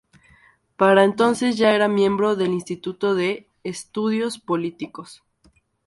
Para entonces ya era miembro del Instituto de Estudios Políticos.